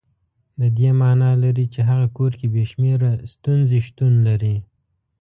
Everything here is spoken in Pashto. د دې معنا لري چې هغه کور کې بې شمېره ستونزې شتون لري.